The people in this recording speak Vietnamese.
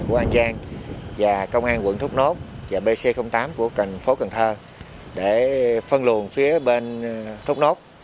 bc tám của an giang và công an quận thúc nốt và bc tám của phố cần thơ để phân luồn phía bên thúc nốt